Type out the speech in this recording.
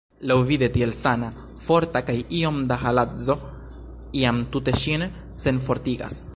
Laŭvide tiel sana, forta, kaj iom da haladzo jam tute ŝin senfortigas!